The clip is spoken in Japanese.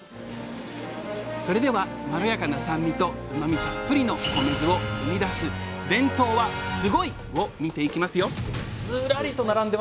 それではまろやかな酸味とうまみたっぷりの米酢を生み出す伝統はスゴイ！を見ていきますよ